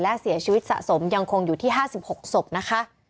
และเสียชีวิตสะสมยังคงอยู่ที่๕๖ศพนะคะ